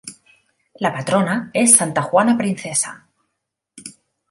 La patrona es Santa Juana Princesa.